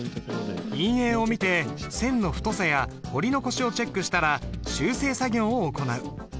印影を見て線の太さや彫り残しをチェックしたら修正作業を行う。